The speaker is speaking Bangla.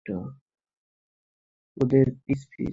ওদের পিস পিস করে ফেলবো।